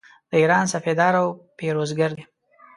د ایران سپهدار او پیروزګر دی.